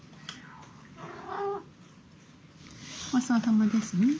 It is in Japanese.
ごちそうさまですね？